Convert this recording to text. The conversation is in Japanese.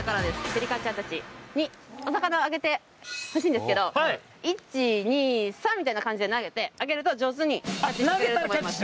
ペリカンちゃん達にお魚をあげてほしいんですけどイチニサンみたいな感じで投げてあげると上手にキャッチしてくれると思います